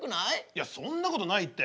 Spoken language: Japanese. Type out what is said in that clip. いやそんなことないって。